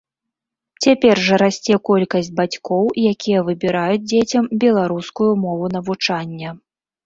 Цяпер жа расце колькасць бацькоў, якія выбіраюць дзецям беларускую мову навучання.